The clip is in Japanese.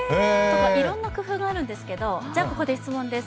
いろんな工夫があるんですけどここで質問です。